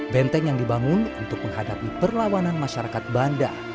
benteng yang dibangun untuk menghadapi perlawanan masyarakat banda